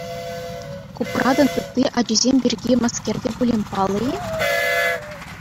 Купратӑн ытти ачисем пирки мӗскер те пулин паллӑ-и?